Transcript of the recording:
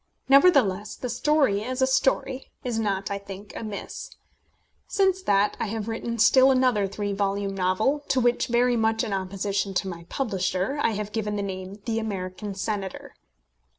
Nevertheless the story, as a story, is not, I think, amiss. Since that I have written still another three volume novel, to which, very much in opposition to my publisher, I have given the name of The American Senator.